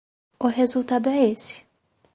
O resultado é esse.